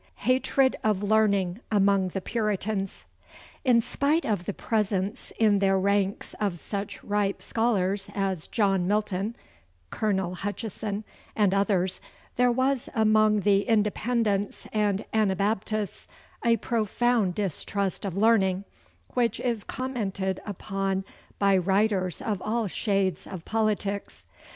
Hatred of Learning among the Puritans. In spite of the presence in their ranks of such ripe scholars as John Milton, Colonel Hutchinson, and others, there was among the Independents and Anabaptists a profound distrust of learning, which is commented upon by writers of all shades of politics.